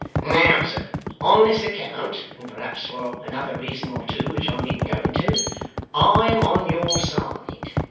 Now sir, on this account (and perhaps for another reason or two which I needn't go into) I am on your side.